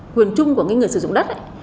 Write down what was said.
quyền chung của cái người sử dụng đất ấy